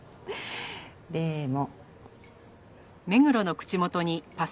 でも。